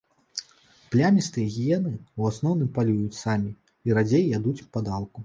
Плямістыя гіены ў асноўным палююць самі, і радзей ядуць падалку.